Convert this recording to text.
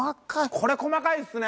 これ細かいですね！